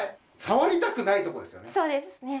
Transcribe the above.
触りたくないとこですよね。